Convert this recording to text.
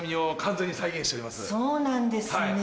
そうなんですね。